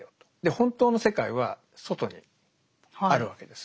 本当の世界は外にあるわけです。